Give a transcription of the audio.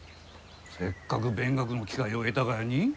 せっかく勉学の機会を得たがやに？